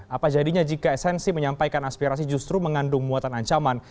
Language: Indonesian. apa jadinya jika esensi menyampaikan aspirasi justru mengandung muatan ancaman